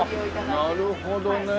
なるほどね。